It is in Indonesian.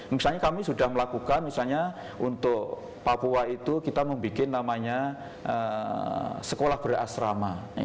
misalnya kami sudah melakukan misalnya untuk papua itu kita membuat namanya sekolah berasrama